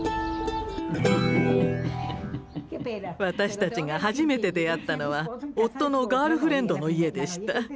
私たちが初めて出会ったのは夫のガールフレンドの家でした。